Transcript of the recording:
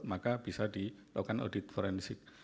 maka bisa dilakukan audits